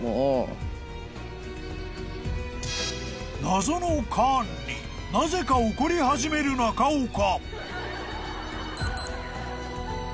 ［謎のカーンになぜか怒り始める中岡］